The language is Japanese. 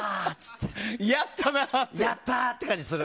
やったー！って感じする。